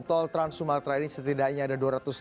tol trans sumatera ini setidaknya ada